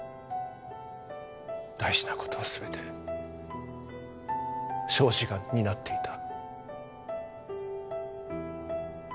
大事なことは全て庄司が担っていた。